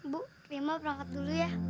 bu lima berangkat dulu ya